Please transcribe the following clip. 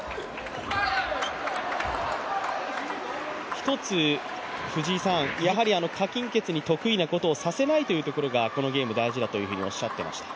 一つ何鈞傑に得意なことをさせないというところがこのゲーム大事だというふうにおっしゃっていました。